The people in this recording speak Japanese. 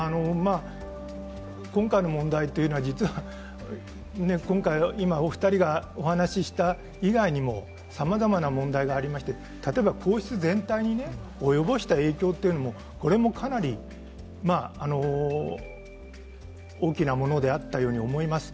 今回の問題というのは実は今回お二人がお話しした以外にもさまざまな問題がありまして例えば皇室全体に及ぼした影響というのもこれもかなり大きなものであったように思います。